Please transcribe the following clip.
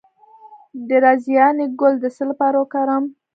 د رازیانې ګل د څه لپاره وکاروم؟